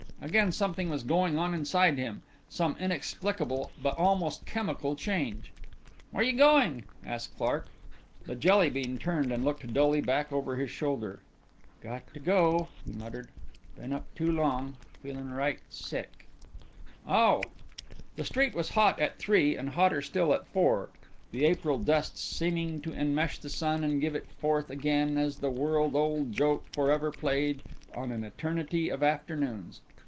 Again something was going on inside him, some inexplicable but almost chemical change. "Where you going?" asked Clark. The Jelly bean turned and looked dully back over his shoulder. "Got to go," he muttered. "Been up too long; feelin' right sick." "Oh." The street was hot at three and hotter still at four, the April dust seeming to enmesh the sun and give it forth again as a world old joke forever played on an eternity of afternoons.